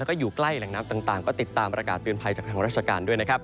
แล้วก็อยู่ใกล้แหล่งน้ำต่างก็ติดตามประกาศเตือนภัยจากทางราชการด้วยนะครับ